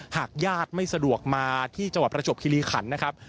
หากญาติไม่สะดวกมาที่เจาะประชบคิริขันนะครับ